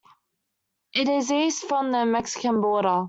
It is east from the Mexican border.